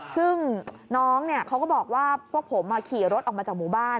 ซึ่งน้องเขาก็บอกว่าพวกผมขี่รถออกมาจากหมู่บ้าน